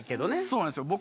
そうなんですよ。